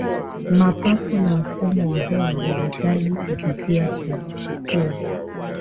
Mapafu na mfumo wa hewa Uvutaji kupitia pua